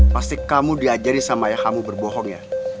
pasti kamu diajari sama ya kamu berbohong ya